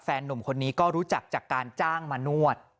หนุ่มคนนี้ก็รู้จักจากการจ้างมานวด